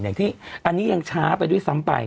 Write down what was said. อย่างที่อันนี้ยังช้าไปด้วยซ้ำไป